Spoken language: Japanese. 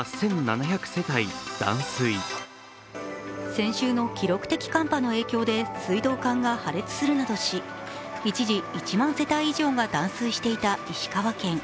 先週の記録的寒波の影響で水道管が破裂するなどし、一時、１万世帯以上が断水していた石川県。